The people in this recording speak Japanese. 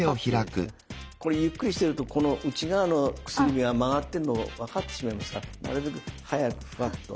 これゆっくりしてるとこの内側の薬指が曲がってんの分かってしまいますからなるべく早くフワッと。